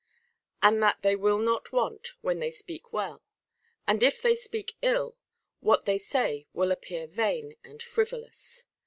And that they will not want, when they speak well ; and if they speak ill, what they say will appear vain and frivolous.